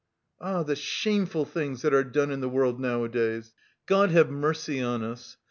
"Ah, the shameful things that are done in the world nowadays, God have mercy on us!